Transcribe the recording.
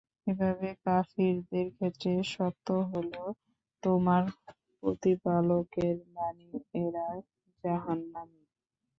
এভাবে কাফিরদের ক্ষেত্রে সত্য হলো তোমার প্রতিপালকের বাণী—এরা জাহান্নামী।